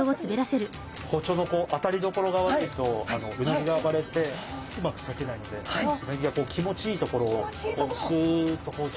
包丁の当たりどころが悪いとうなぎが暴れてうまくさけないのでうなぎがこう気持ちいいところをスッと包丁通します。